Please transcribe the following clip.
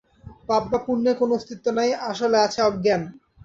পাপ বা পুণ্যের কোন অস্তিত্ব নাই, আসলে আছে অজ্ঞান।